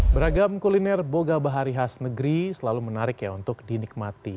beragam kuliner boga bahari khas negeri selalu menarik ya untuk dinikmati